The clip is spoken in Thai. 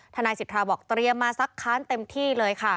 นายสิทธาบอกเตรียมมาซักค้านเต็มที่เลยค่ะ